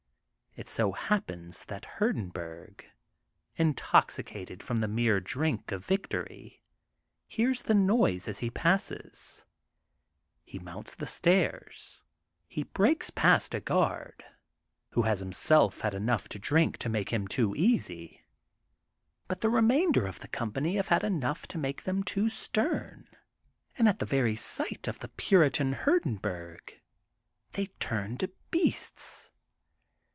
It so happens that Hurdenburg, intoxicated from the mere drink of victory, hears the noise as he passes. He mounts the stairs. He breaks past a guard who has himself had enough drink to make 209 210 THE GOLDEN BOOK OF SPRINGFIELD him too easy. But the remainder of the com pany have had enough to make them too stem and at the very sight of the *^ puritan'' Hurdenburg, they turn to beasts.